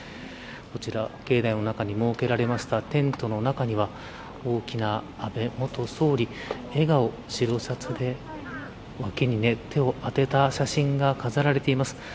こちら、境内の中に設けられましたテントの中には大きな安倍元総理笑顔、白シャツで腰に手を当てた写真が飾られています。